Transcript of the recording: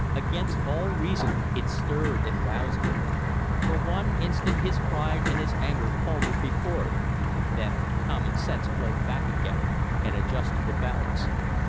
Against all reason it stirred and roused him. For one instant his pride and his anger faltered before it, then common sense flowed back again and adjusted the balance.